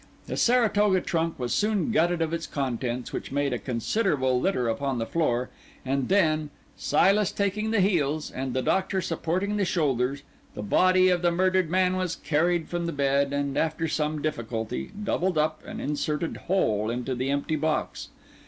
The Saratoga trunk was soon gutted of its contents, which made a considerable litter on the floor; and then—Silas taking the heels and the Doctor supporting the shoulders—the body of the murdered man was carried from the bed, and, after some difficulty, doubled up and inserted whole into the empty box.